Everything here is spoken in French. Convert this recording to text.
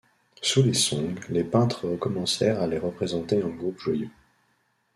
Sous les Song, les peintres commencèrent à les représenter en groupe joyeux.